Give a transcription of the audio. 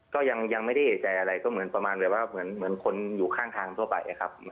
ก็ยังไม่ได้เอกใจอะไรก็เหมือนประมาณแบบว่าเหมือนคนอยู่ข้างทางทั่วไปครับ